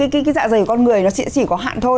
cái dạ dày của con người nó chỉ có hạn thôi